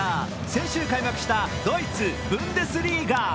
先週開幕したドイツブンデスリーガ。